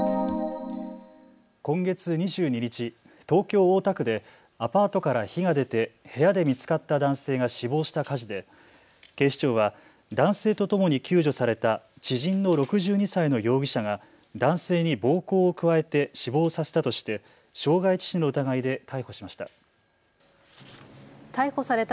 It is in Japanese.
今月２２日、東京大田区でアパートから火が出て部屋で見つかった男性が死亡した火事で警視庁は男性とともに救助された知人の６２歳の容疑者が男性に暴行を加えて死亡させたとして傷害致死の疑いで逮捕しました。